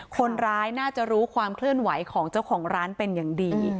คนร้ายน่าจะรู้ความเคลื่อนไหวของเจ้าของร้านเป็นอย่างดี